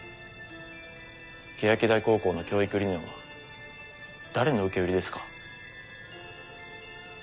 欅台高校の教育理念は誰の受け売りですか？